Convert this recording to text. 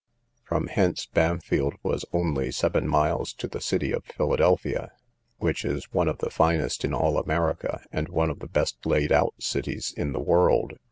From hence Bampfylde was only seven miles to the city of Philadelphia, which is one of the finest in all America, and one of the best laid out cities in the world.